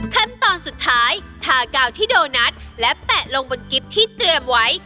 ขั้นตอนสุดท้ายทากาวที่โดนัทและแปะลงบนกิ๊บที่เตรียมไว้